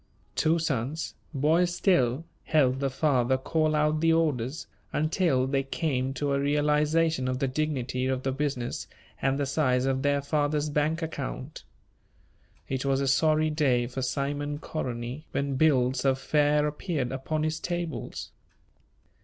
Two sons, boys still, helped the father call out the orders, until they came to a realization of the dignity of the business and the size of their father's bank account. It was a sorry day for Simon Koronyi when bills of fare appeared upon his tables.